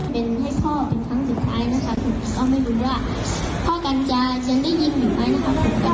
ผมก็ไม่รู้ว่าพ่อกันจะยังได้ยินอยู่ไหมนะครับ